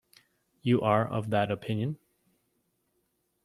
You are of that opinion?